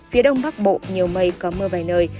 phía đông bắc bộ nhiều mây có mưa vài nơi